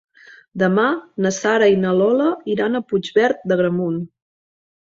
Demà na Sara i na Lola iran a Puigverd d'Agramunt.